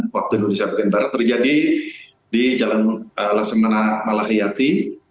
waktu indonesia perkentara terjadi di jalan lasemana malahiyati